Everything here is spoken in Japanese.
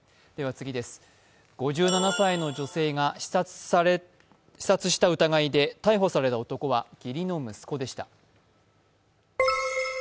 ５７歳の女性を刺殺した疑いで逮捕された男は義理の息子でした。